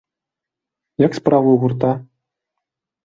Як справы ў гурта?